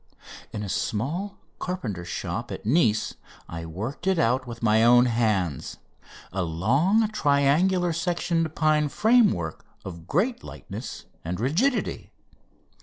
In a small carpenter shop at Nice I worked it out with my own hands a long, triangular sectioned pine framework of great lightness and rigidity.